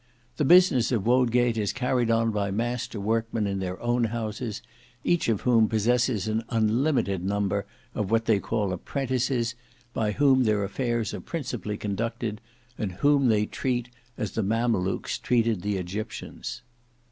The business of Wodgate is carried on by master workmen in their own houses, each of whom possesses an unlimited number of what they call apprentices, by whom their affairs are principally conducted, and whom they treat as the Mamlouks treated the Egyptians.